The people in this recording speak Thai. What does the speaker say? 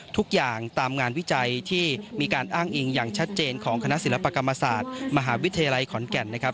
ทุกอย่างตามงานวิจัยที่มีการอ้างอิงอย่างชัดเจนของคณะศิลปกรรมศาสตร์มหาวิทยาลัยขอนแก่นนะครับ